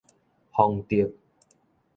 豐澤